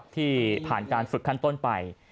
ที่ผ่านการฝึกขั้นต้นไป